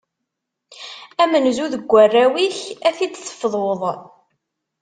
Amenzu deg warraw-ik, ad t-id-tefduḍ.